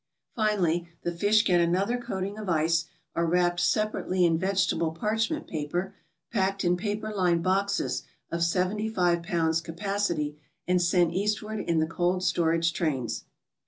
Finally, the fish get another coating of ice, are wrapped separately in vege table parchment paper, packed in paper lined boxes of seventy five pounds' capacity, and sent eastward in the cold storage trains.